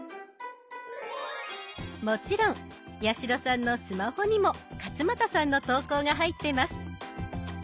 もちろん八代さんのスマホにも勝俣さんの投稿が入ってます。